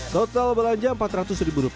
total belanja rp empat ratus